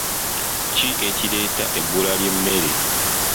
Ki ekireeta ebbula ly'emmere?